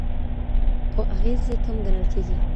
خو اغېز یې کم ګڼل کېږي.